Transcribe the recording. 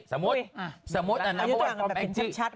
สมมตินัมเบอร์วันฟอร์มแองจี